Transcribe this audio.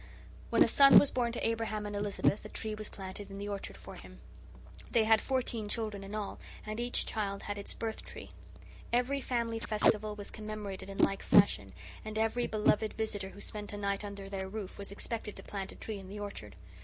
When a son was born to Abraham and Elizabeth a tree was planted in the orchard for him. They had fourteen children in all, and each child had its "birth tree." Every family festival was commemorated in like fashion, and every beloved visitor who spent a night under their roof was expected to plant a tree in the orchard.